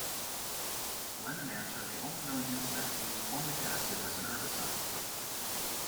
Lemon ants are the only known insect to use formic acid as a herbicide.